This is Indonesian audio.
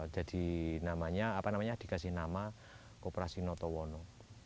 jadi namanya apa namanya dikasih nama kooperasi notowono